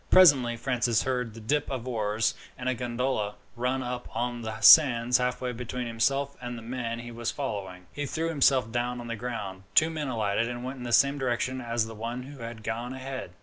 Presently Francis heard the dip of oars, and a gondola ran up on the sands halfway between himself and the man he was following. He threw himself down on the ground. Two men alighted, and went in the same direction as the one who had gone ahead.